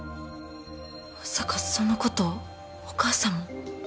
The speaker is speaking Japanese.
まさかそのことお母さんも。